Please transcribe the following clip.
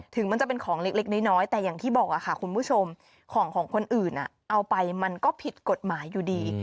ถึงมันจะเป็นของเล็กน้อยแต่อย่างที่บอกค่ะคุณผู้ชมของของคนอื่นเอาไปมันก็ผิดกฎหมายอยู่ดี